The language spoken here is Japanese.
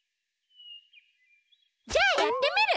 じゃあやってみる！